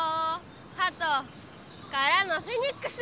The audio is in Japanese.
はとからのフェニックス！